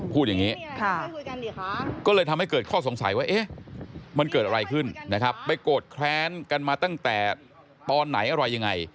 พูดอย่างนี้ก็เลยทำให้เกิดข้อสงสัยว่าเอ๊ะมันเกิดอะไรขึ้นนะครับไปโกรธแค้นกันมาตั้งแต่ตอนไหนอะไรยังไง